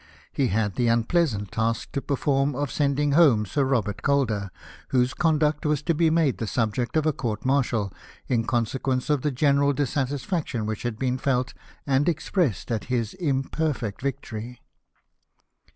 He had the unpleasant task to perform of sending home Sir Robert Calder, whose conduct was to be made the subject of a court martial, in conse quence of the general dissatisfaction which had been felt and expressed at his imperfect victory.